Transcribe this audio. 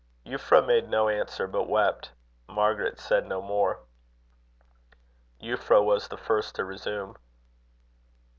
Euphra made no answer, but wept, Margaret said no more. Euphra was the first to resume.